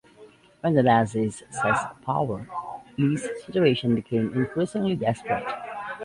When the Nazis seized power, Ley's situation became increasingly desperate.